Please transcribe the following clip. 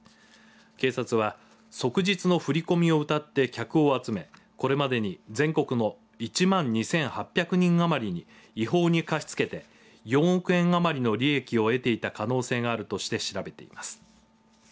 警察は即日の振り込みをうたって客を集めこれまでに、全国の１万２８００人余りに違法に貸し付けて４億円余りの利益を得ていた可能性があるとして調べています。